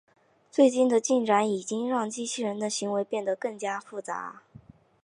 最近的进展已经让机器人的行为变成更加复杂。